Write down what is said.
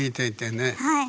はい。